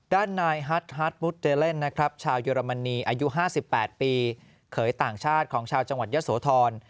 ด้านนายฮัทฮัทมุดเตเลนนะครับชาวเยอรมนีอายุ๕๘ปีเขยต่างชาติของชาวจังหวัดยะโสธร